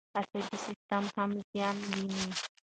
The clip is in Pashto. عصبي سیستم هم زیان ویني.